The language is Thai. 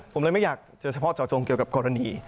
ผมเลยไม่อยากจะเฉพาะเจาะจงเกี่ยวกับกรณี